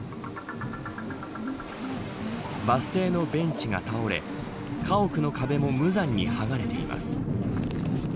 バス停のベンチが倒れ家屋の壁も無残にはがれています。